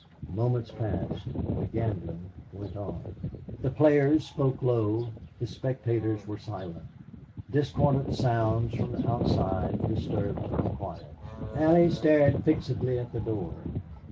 Moments passed. The gambling went on. The players spoke low; the spectators were silent. Discordant sounds from outside disturbed the quiet. Allie stared fixedly at the door.